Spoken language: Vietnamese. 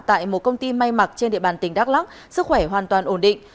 tại một công ty may mặc trên địa bàn tỉnh đắk lắc sức khỏe hoàn toàn ổn định